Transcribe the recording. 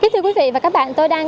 thưa quý vị và các bạn